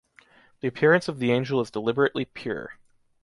The appearance of the angel is deliberately pure.